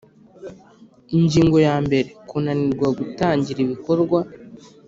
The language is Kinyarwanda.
Ingingo ya mbere Kunanirwa gutangira ibikorwa